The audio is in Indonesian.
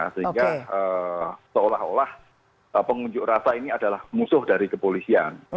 sehingga seolah olah pengunjuk rasa ini adalah musuh dari kepolisian